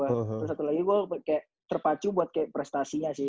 terus satu lagi gue kayak terpacu buat kayak prestasinya sih